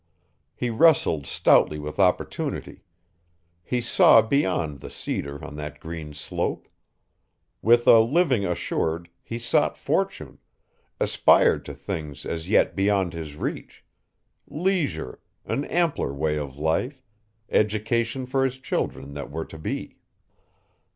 He wrestled stoutly with opportunity. He saw beyond the cedar on that green slope. With a living assured, he sought fortune, aspired to things as yet beyond his reach, leisure, an ampler way of life, education for his children that were to be.